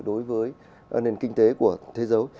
đối với nền kinh tế của thế giới